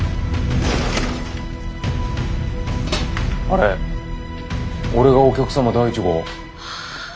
あれ俺がお客様第１号？